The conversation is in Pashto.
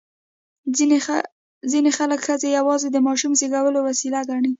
ځینې خلک ښځې یوازې د ماشوم زېږولو وسیله ګڼي.